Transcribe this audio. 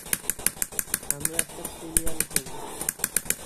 - আমরা একটা সিরিয়াল করব।